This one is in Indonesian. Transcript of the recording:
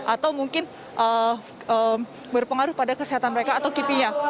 atau mungkin berpengaruh pada kesehatan mereka atau kipinya